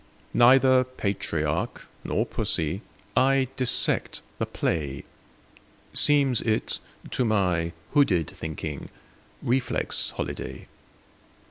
Neither patriarch nor pussy,I dissect the play; Seems it, to my hooded thinking, Reflex holiday.